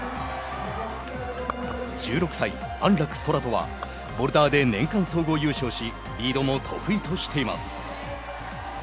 １６歳、安楽宙斗はボルダーで年間総合優勝しリードも得意としています。